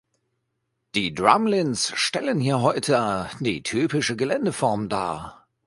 Die Drumlins stellen hier heute die typische Geländeform dar.